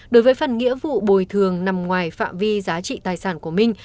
đối với phần nghĩa vụ bồi thường nằm ngoài phạm vi giá trị tài sản của minh